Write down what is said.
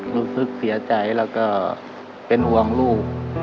รู้สึกเสียใจแล้วก็เป็นห่วงลูก